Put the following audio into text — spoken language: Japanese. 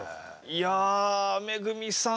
いや恵さん